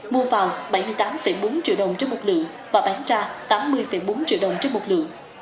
mua vào bảy mươi tám bốn triệu đồng trên một lượng và bán ra tám mươi bốn triệu đồng trên một lượng